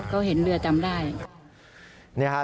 ก็เห็นเรือจำได้